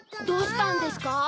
どうしたんですか？